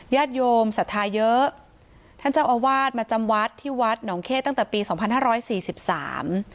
ญาติโยมศรัทธาเยอะท่านเจ้าอาวาสมาจำวัดที่วัดหนองเข้ตั้งแต่ปีสองพันห้าร้อยสี่สิบสาม